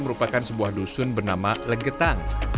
merupakan sebuah dusun bernama legetang